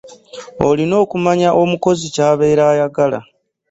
Olina okumanya omukozi kyabeera ayagala.